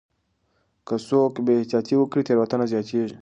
که څوک بې احتياطي وکړي تېروتنه زياتيږي.